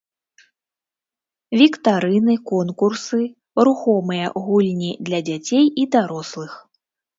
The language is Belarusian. Віктарыны, конкурсы, рухомыя гульні для дзяцей і дарослых.